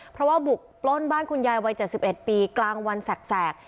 เพราะว่าบุกปล้นบ้านคุณยายวัยเจ็ดสิบเอ็ดปีกลางวันแสกแสก